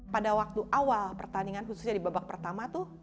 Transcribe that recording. pada waktu awal pertandingan khususnya di babak pertama tuh